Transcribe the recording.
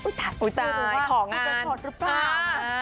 จริงหรือว่าอินเตอร์ชดหรือเปล่า